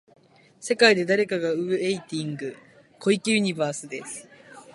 世界で誰かがウェイティング、小池ユニバースです。